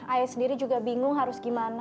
ayah sendiri juga bingung harus gimana